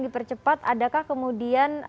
dipercepat adakah kemudian